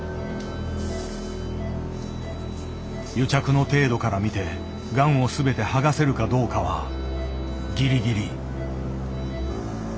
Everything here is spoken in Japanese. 癒着の程度から見てがんを全て剥がせるかどうかはギリギリ。